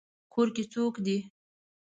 کور کې څوک دی؟